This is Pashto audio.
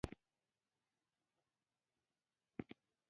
استاد فایز ته وویل عصمت قانع استعداد خوب است.